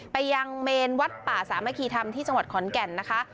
ไปยังเมนวัดป่าสามัคคีธรรมที่จังหวัดขอนแก่นนะคะ